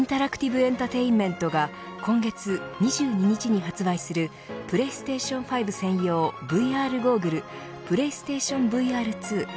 エンタテイメントが今月２２日に発売するＰｌａｙＳｔａｔｉｏｎ５専用ＶＲゴーグルＰｌａｙＳｔａｔｉｏｎＶＲ２。